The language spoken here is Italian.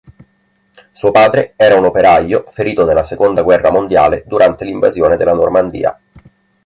Suo padre era un operaio ferito nella seconda guerra mondiale durante l'invasione della Normandia.